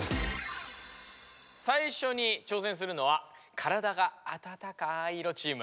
さいしょに挑戦するのは体があたたかい色チーム。